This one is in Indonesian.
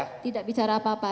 saya tidak bicara apa apa